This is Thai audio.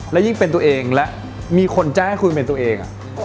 และยิ่งเป็นตัวเองและมีคนแจ้งให้คุณเป็นตัวเอง